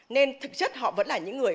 nên thực chất họ vẫn là những người